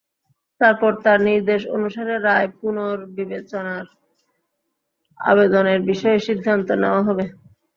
তারপর তাঁর নির্দেশ অনুসারে রায় পুনর্বিবেচনার আবেদনের বিষয়ে সিদ্ধান্ত নেওয়া হবে।